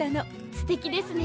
すてきですね。